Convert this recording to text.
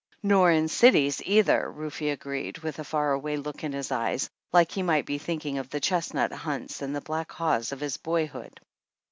"Nor in cities either," Rufe agreed, with a far away look in his eyes, like he might be think ing of the chestnut hunts and black haws of his boyhood.